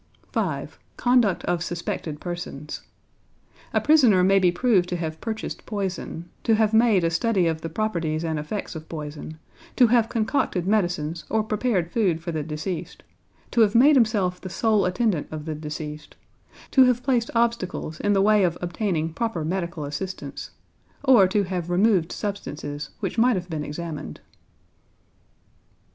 5. Conduct of Suspected Persons. A prisoner may be proved to have purchased poison, to have made a study of the properties and effects of poison, to have concocted medicines or prepared food for the deceased, to have made himself the sole attendant of the deceased, to have placed obstacles in the way of obtaining proper medical assistance, or to have removed substances which might have been examined.